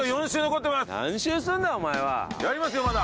お前はやりますよまだ！